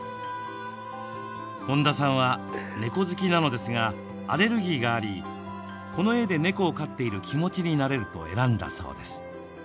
本田さんは猫好きなのですがアレルギーがあり、この絵で猫を飼っている気持ちになれると選んだそうです。